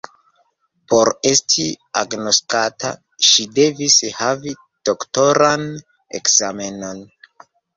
Por esti agnoskata, ŝi devis havi doktoran ekzamenon.